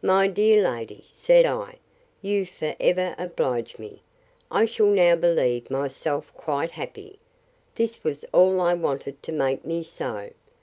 My dear lady, said I, you for ever oblige me!—I shall now believe myself quite happy. This was all I wanted to make me so!